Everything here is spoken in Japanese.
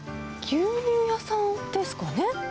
牛乳屋さんですかね。